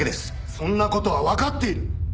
そんな事はわかっている！